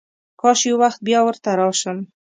کاش یو وخت بیا ورته راشم.